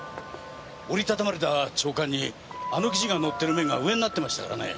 折りたたまれた朝刊にあの記事が載ってる面が上になってましたからね。